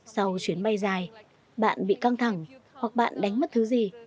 sau chuyến bay dài bạn bị căng thẳng hoặc bạn đánh mất thứ gì